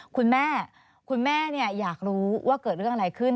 คุณแม่คุณแม่อยากรู้ว่าเกิดเรื่องอะไรขึ้น